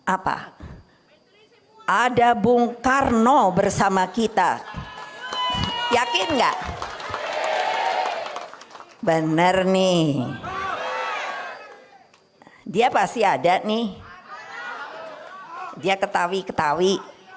apa ada bung karno bersama kita yakin enggak bener nih dia pasti ada nih dia ketahui ketahui